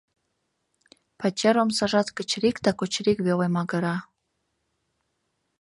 Пачер омсажат кычырик да кочырик веле магыра.